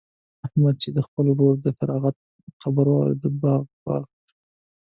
احمد چې د خپل ورور د فراغت خبر واورېد؛ باغ باغ شو.